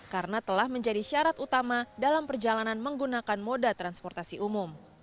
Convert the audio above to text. karena telah menjadi syarat utama dalam perjalanan menggunakan moda transportasi umum